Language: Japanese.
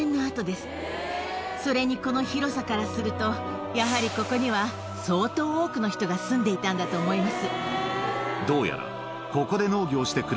それにこの広さからするとやはりここには相当多くの人が住んでいたんだと思います。